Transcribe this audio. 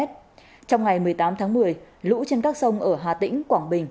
trong ngày một mươi tám tháng một mươi lũ trên các sông ở hà tĩnh quảng bình